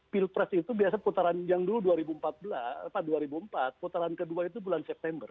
pilpres itu biasa putaran yang dulu dua ribu empat putaran kedua itu bulan september